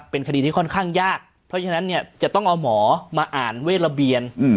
เป็นคดีที่ค่อนข้างยากเพราะฉะนั้นเนี่ยจะต้องเอาหมอมาอ่านเวทระเบียน